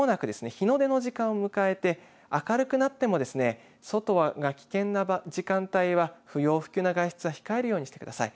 日の出の時間を迎えて明るくなってもですね外が危険な時間帯は不要不急な外出は控えるようにしてください。